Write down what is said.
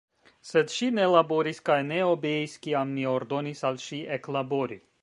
Sed ŝi ne laboris kaj ne obeis, kiam mi ordonis al ŝi eklabori.